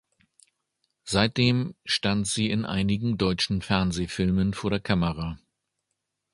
Seitdem stand sie in einigen deutschen Fernsehfilmen vor der Kamera.